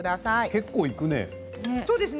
結構いくね。